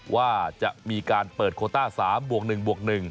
ว่าจะมีการเปิดโคต้า๓บวก๑บวก๑